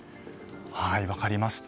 分かりました。